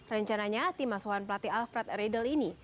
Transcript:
rencananya tim asuhan pelatih alfred riedel ini